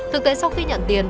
thực tế sau khi nhận tiền